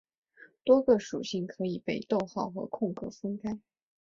多个属性可以被逗号和空格分开。